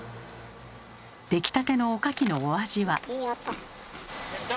出来たてのおかきのお味は？